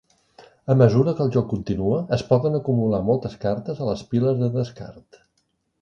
A mesura que el joc continua, es poden acumular moltes cartes a les piles de descart.